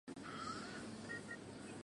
横殖短腺吸虫为双腔科短腺属的动物。